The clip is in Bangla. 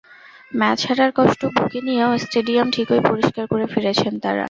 ম্যাচ হারার কষ্ট বুকে নিয়েও স্টেডিয়াম ঠিকই পরিষ্কার করে ফিরেছেন তাঁরা।